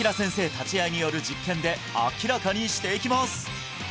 立ち会いによる実験で明らかにしていきます！